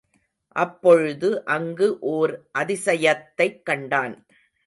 அப்பொழுது அங்கு ஓர் அதிசயத்தைக் கண்டான்.